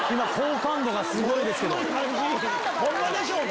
ホンマでしょうね